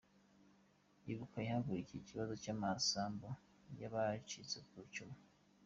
Ibuka yahagurukiye ikibazo cy’amasambu y’abacitse ku icumu